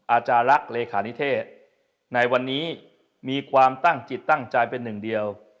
อาจารย์ลักษณ์เลขานิเทศในวันนี้มีความตั้งจิตตั้งใจเป็นหนึ่งเดียว